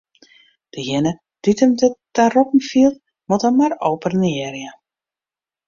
Dejinge dy't him derta roppen fielt, moat him mar oppenearje.